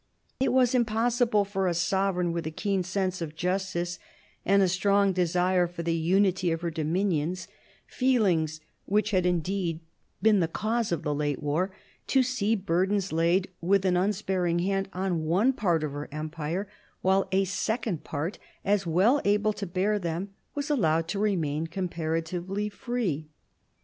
It was impossible for a sovereign with a keen sense' of justice and a strong desire for the unity of her dominions, — feelings which had indeed been the 1748 57 THE EARLY REFORMS 79 cause of the late war, — to see burdens laid with an un sparing hand on one part of her empire, while a second part, as well able to bear them, was allowed to remain comparatively free.